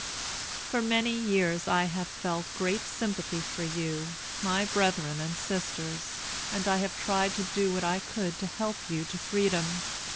For many years I have felt great sympathy for you, my brethren and sisters, and I have tried to do what I could to help you to freedom.